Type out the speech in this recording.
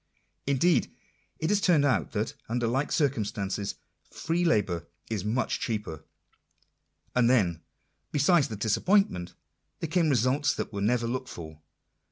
Indeed it has turned out that, under like cir cumstances, free labour is much cheaper. And then, besides the disappointment, there came results that were never looked for.